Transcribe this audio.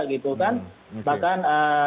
gitu kan bahkan